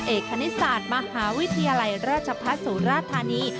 เอกคณิศาสตร์มหาวิทยาลัยราชภาษุราชธานี